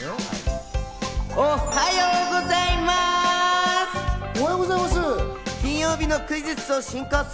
おはようございます！